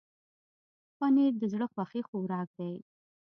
پنېر د زړه خوښي خوراک دی.